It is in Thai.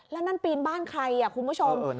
แล้วนั่นปีนบ้านใครคุณผู้ชม